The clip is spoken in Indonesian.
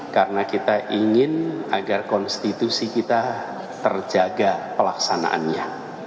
karena kita ingin agar konstitusi kita terjaga pelaksanaannya